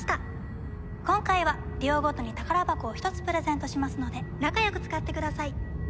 今回はデュオごとに宝箱を１つプレゼントしますので仲良く使ってください。